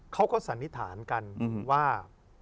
สันนิษฐานกันว่า